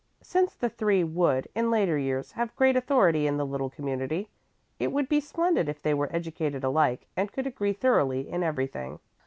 Since the three would, in later years, have great authority in the little community, it would be splendid if they were educated alike and could agree thoroughly in everything.